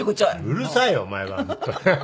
うるさいよお前は。